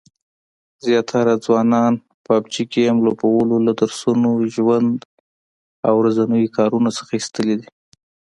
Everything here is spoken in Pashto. زیاتره ځوانان پابجي ګیم لوبولو له درسونو، ژوند او ورځنیو کارونو څخه ایستلي دي